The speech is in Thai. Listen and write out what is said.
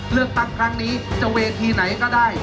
เลือกตั้งครั้งนี้จะเวทีไหนก็ได้